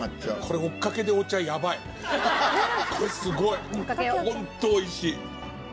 これすごい！ホント美味しい！